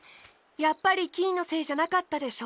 やっぱりキイのせいじゃなかったでしょ？